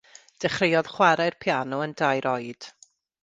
Dechreuodd chwarae'r piano yn dair oed.